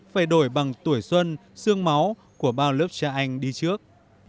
phải đổi bằng tuổi xuân xương máu của bao lớp cha anh đi trước